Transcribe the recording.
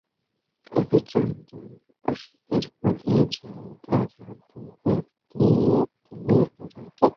রবিচন্দ্রন অশ্বিনের বলে জাদেজার হাতে ক্যাচ দিয়ে তিনিও লড়াইটায় ক্ষান্তি দিলেন।